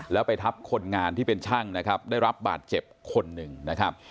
แล้วปรากฏว่า